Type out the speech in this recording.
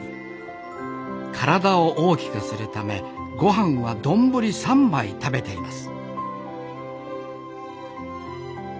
体を大きくするためご飯は丼３杯食べています